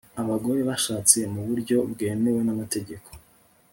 abagore bashatse mu buryo bwemewe n'amategeko